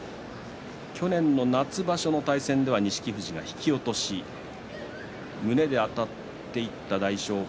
去年の夏場所の対戦では錦富士が引き落とし胸であたっていった大翔鵬。